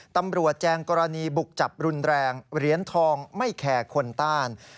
แจงกรณีบุกจับรุนแรงเหรียญทองไม่แคร์คนต้าน